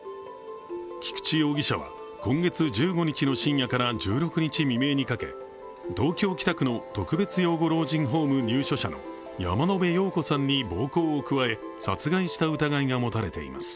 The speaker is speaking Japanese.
菊池容疑者は今月１５日の深夜から１６日未明にかけ東京・北区の特別養護老人ホーム入所者の山野辺陽子さんに暴行を加え殺害した疑いが持たれています。